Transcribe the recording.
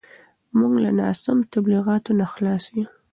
موږ له ناسم تبلیغاتو نه خلاص یو.